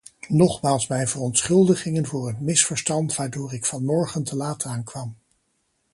Nogmaals mijn verontschuldigingen voor het misverstand waardoor ik vanmorgen te laat aankwam.